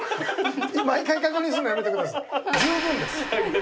毎回確認すんのやめてください。